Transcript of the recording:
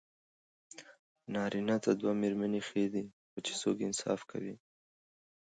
نارېنه ته دوه ميرمني ښې دي، خو چې څوک انصاف کوي